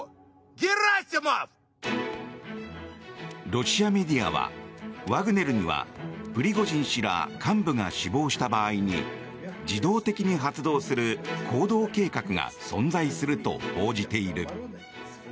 ロシアメディアはワグネルにはプリゴジン氏ら幹部が死亡した場合に自動的に発動する行動計画が存在すると報じている。